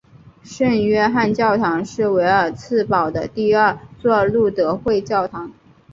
圣约翰教堂是维尔茨堡的第二座路德会教堂。